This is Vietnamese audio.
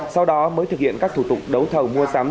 sau đó mới thực hiện các thủ tục đấu thầu mua sắm